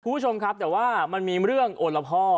คุณผู้ชมครับแต่ว่ามันมีเรื่องโอละพ่อ